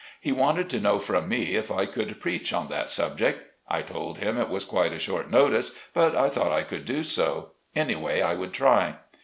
He wanted to know from me if I could preach on that subject. I told him it was quite a short notice, but I thought I could do so; anyway, I would try.